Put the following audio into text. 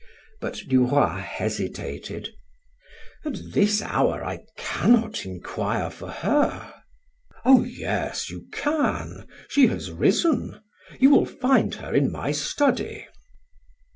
But Duroy hesitated: "At this hour I cannot inquire for her." "Oh, yes, you can; she has risen. You will find her in my study."